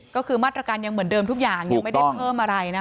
ก็คือมาตรการยังเหมือนเดิมทุกอย่างยังไม่ได้เพิ่มอะไรนะคะ